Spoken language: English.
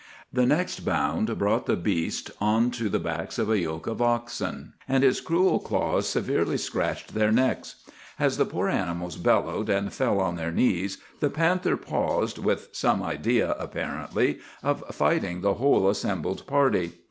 The next bound brought the beast onto the backs of a yoke of oxen, and his cruel claws severely scratched their necks. As the poor animals bellowed and fell on their knees, the panther paused, with some idea, apparently, of fighting the whole assembled party.